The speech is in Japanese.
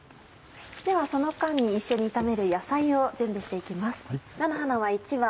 その間に一緒に炒める野菜を準備していきます。